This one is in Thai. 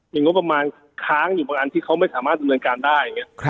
มีงบประมาณค้างอยู่บางอันที่เขาไม่สามารถสำเร็จการได้อย่างเงี้ย